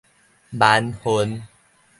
蠻恨